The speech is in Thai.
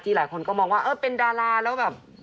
หลายคนก็มองว่าเออเป็นดาราแล้วแบบ